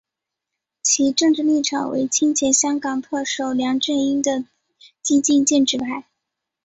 其政治立场为亲前香港特首梁振英的激进建制派。